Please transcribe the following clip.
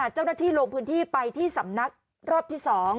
เจ้าหน้าที่ลงพื้นที่ไปที่สำนักรอบที่๒